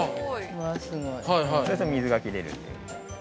そうすると水が切れるという。